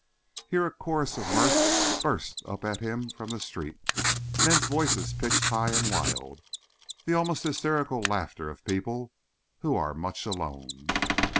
Here a chorus of mirth burst up at him from the street, men's voices pitched high and wild, the almost hysterical laughter of people who are much alone.